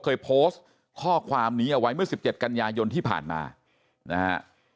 เคยโพสต์ข้อความนี้เอาไว้เมื่อ๑๗กันยายนที่ผ่านมานะฮะ